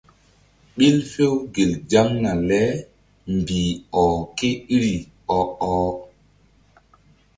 Ɓil few gel zaŋna le mbih ɔh ké iri ɔ-ɔh.